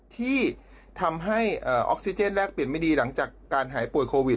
ที่ทำให้ออกซิเจนแรกเปลี่ยนไม่ดีหลังจากการหายป่วยโควิด